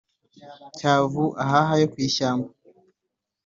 cyavu/ ahahe ayo ku ishyamba »